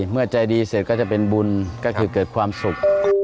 เมื่อใจดีเสร็จก็จะเป็นบุญก็คือเกิดความสุข